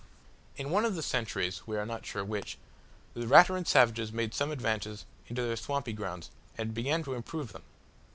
In one of the centuries we are not sure which the Raturan savages made some advances into their swampy grounds and began to improve them.